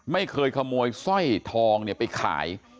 ไม่เคยขโมยสร้อยทองไปขาย